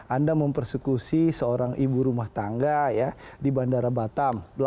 anda mempersekusi seorang ibu rumah tangga di bandara batam